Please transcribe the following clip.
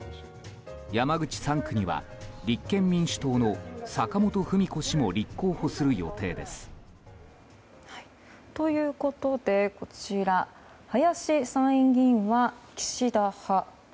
山口３区には立憲民主党の坂本史子氏も立候補する予定です。ということで林参院議員は岸田派。